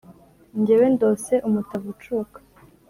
Jyewe ndose umutavu ucuka,